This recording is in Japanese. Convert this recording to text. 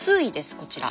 こちら。